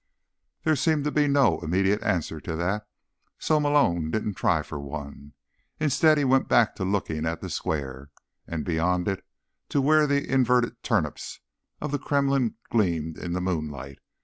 There seemed to be no immediate answer to that, so Malone didn't try for one. Instead, he went back to looking at the Square, and beyond it to where the inverted turnips of the Kremlin gleamed in the moonlight.